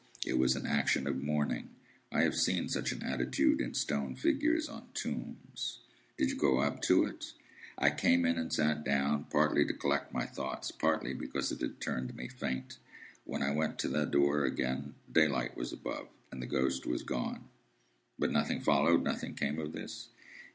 It was an action of mourning. I have seen such an attitude in stone figures on tombs. "Did you go up to it?" "I came in and sat down, partly to collect my thoughts, partly because it had turned me faint. When I went to the door again, daylight was above me, and the ghost was gone." "But nothing followed? Nothing came of this?"